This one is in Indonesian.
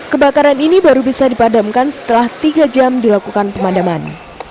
kebakaran ini baru bisa dipadamkan setelah tiga jam dilakukan pemadaman